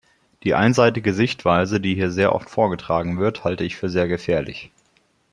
Die einseitige Sichtweise, die hier sehr oft vorgetragen wird, halte ich für sehr gefährlich.